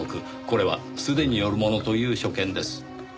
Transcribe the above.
これは素手によるものという所見です。